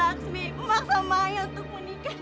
laksmi memaksa maya untuk menikah